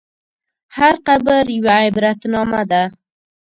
هر قبر یوه عبرتنامه ده.